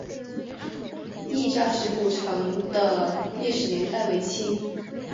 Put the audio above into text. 亦扎石古城的历史年代为清。